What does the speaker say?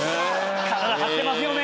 体張ってますよね！